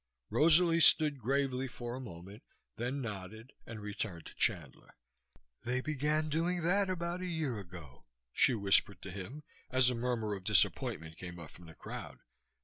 Rosalie stood gravely for a moment, then nodded and returned to Chandler. "They began doing that about a year ago," she whispered to him, as a murmur of disappointment came up from the crowd.